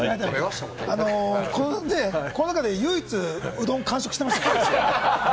この中で唯一うどん完食してましたから。